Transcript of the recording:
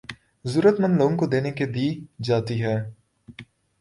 ضرورت مند لوگوں کو دینے کے دی جاتی ہیں